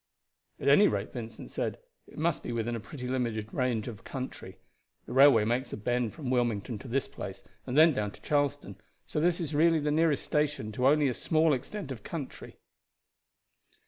"At any rate," Vincent said, "it must be within a pretty limited range of country. The railway makes a bend from Wilmington to this place and then down to Charleston, so this is really the nearest station to only a small extent of country."